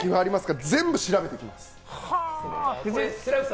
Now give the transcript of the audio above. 全部調べてきます。